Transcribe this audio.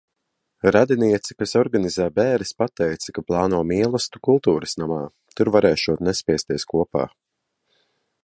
Radiniece, kas organizē bēres, pateica, ka plāno mielastu kultūras namā. Tur varēšot nespiesties kopā.